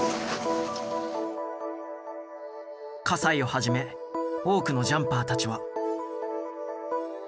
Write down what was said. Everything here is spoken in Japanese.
西をはじめ多くのジャンパーたちは。